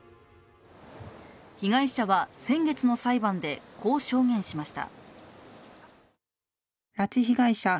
被害者は先月の裁判で、こう証言しました。